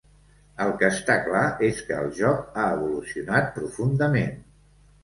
El que està clar és que el joc ha evolucionat profundament.